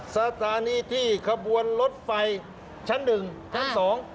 สถานีที่ขบวนรถไฟชั้น๑ชั้น๒